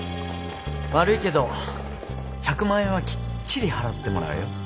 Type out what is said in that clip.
悪いけど１００万円はきっちり払ってもらうよ。